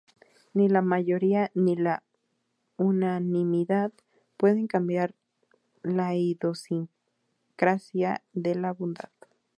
Ni la mayoría ni la unanimidad pueden cambiar la idiosincrasia de la bondad.